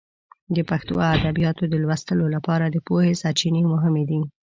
د پښتو د ادبیاتو د لوستلو لپاره د پوهې سرچینې مهمې دي.